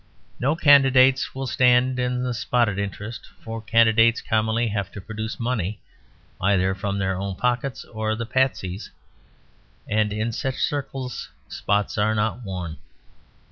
No candidates will stand in the spotted interest; for candidates commonly have to produce money either from their own pockets or the party's; and in such circles spots are not worn.